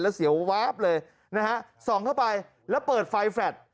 แล้วเสียววาบเลยนะฮะส่องเข้าไปแล้วเปิดไฟแฟลต